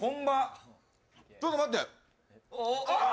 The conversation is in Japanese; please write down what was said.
ちょっと待ってああ！